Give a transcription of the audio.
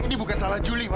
ini bukan salah juli ma